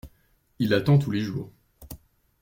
Il attend tous les jours.